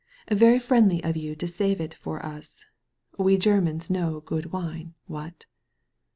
Very friendly of you to save it for us. We Germans know good wine. What?'